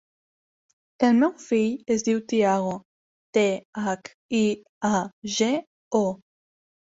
El meu fill es diu Thiago: te, hac, i, a, ge, o.